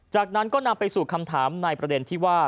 จากนั้นก็นำไปสู่คำถามในประเด็นที่ว่า